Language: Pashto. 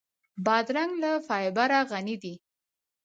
بادرنګ له فایبره غني دی.